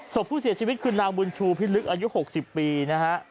ศพผู้เสียชีวิตคือนางบุญชูพิลึกอายุ๖๐ปีนะฮะ